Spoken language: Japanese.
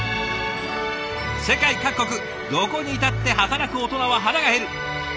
世界各国どこにいたって働くオトナは腹が減る。